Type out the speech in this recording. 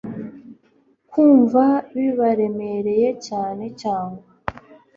kumva bibaremereye cyane cyangwa